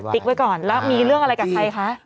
ไว้ก่อนแล้วมีเรื่องอะไรกับใครคะ